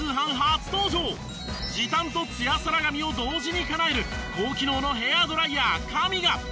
時短とツヤサラ髪を同時にかなえる高機能のヘアドライヤーＫＡＭＩＧＡ。